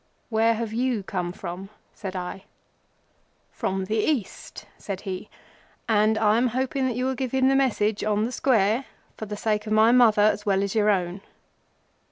"Where have you come from?" said I. "From the East," said he, "and I am hoping that you will give him the message on the Square—for the sake of my Mother as well as your own."